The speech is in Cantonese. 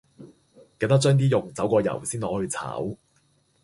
记得将啲肉走过油先攞去炒